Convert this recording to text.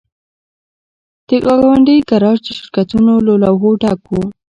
د ګاونډۍ ګراج د شرکتونو له لوحو ډک و